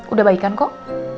udah baik kan kok